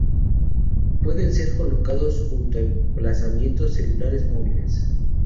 Pueden ser colocados junto a emplazamientos celulares móviles.